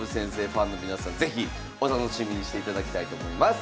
ファンの皆さん是非お楽しみにしていただきたいと思います。